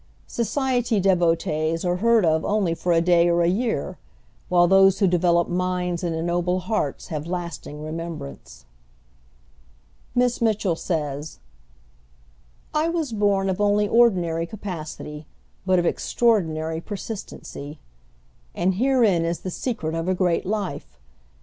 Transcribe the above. Society devotees are heard of only for a day or a year, while those who develop minds and ennoble hearts have lasting remembrance. Miss Mitchell says, "I was born of only ordinary capacity, but of extraordinary persistency," and herein is the secret of a great life.